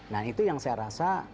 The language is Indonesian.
nah itu yang saya rasa dengan segala hal